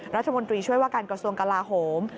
รัฐมนตรีช่วยว่าการกระทรวงกลาโหม